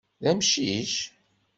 D amcic?